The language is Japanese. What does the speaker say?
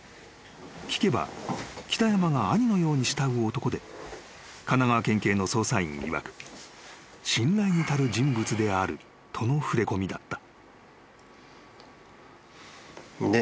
［聞けば北山が兄のように慕う男で神奈川県警の捜査員いわく信頼に足る人物であるとの触れ込みだった］